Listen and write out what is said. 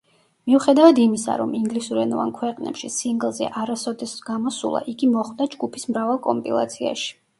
მიუხედავად იმისა, რომ ინგლისურენოვან ქვეყნებში სინგლზე არასოდეს გამოსულა, იგი მოხვდა ჯგუფის მრავალ კომპილაციაში.